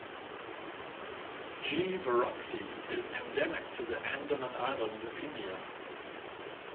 "G. verreauxi" is endemic to the Andaman Islands of India.